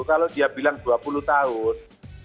kalau dia bilang dua puluh tahun